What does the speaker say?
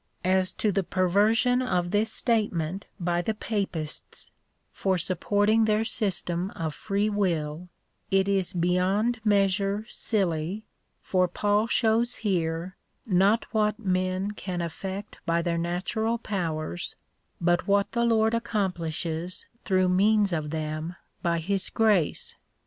As to the perversion of this state ment by the Papists, for supporting their system of free will, it is beyond measure silly, for Paul shows here, not what men can effect by their natural powers, but what the Lord accomplishes through means of them by his grace.